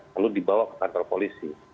lalu dibawa ke kantor polisi